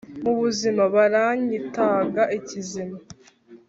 mu buzima baranyitaga ikizima